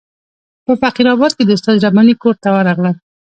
په فقیر آباد کې د استاد رباني کور ته ورغلم.